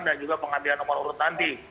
dan juga pengambilan nomor urut nanti